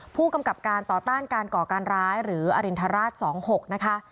ผู้กำกับการต่อต้านการก่อการร้ายหรืออรินทราช๒๖นะคะ